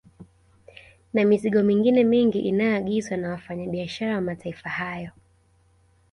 Na mizigo mingine mingi inayoagizwa na wafanya biashara wa mataifa hayo